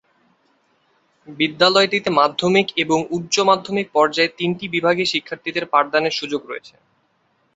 বিদ্যালয়টিতে মাধ্যমিক এবং উচ্চ মাধ্যমিক পর্যায়ে তিনটি বিভাগে শিক্ষার্থীদের পাঠদানের সুযোগ রয়েছে।